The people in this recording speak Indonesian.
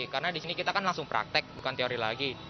karena di sini kita kan langsung praktek bukan teori lagi